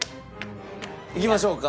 いきましょうか。